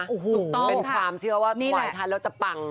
เป็นความเชื่อว่าไหวทันแล้วจะปัง